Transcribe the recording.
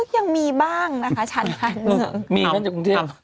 ก็ยังมีบ้างนะคะฉันค่ะ